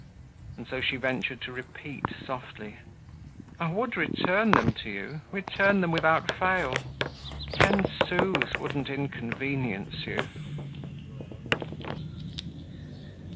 And so she ventured to repeat softly: "I would return them to you, return them without fail. Ten sous wouldn't inconvenience you."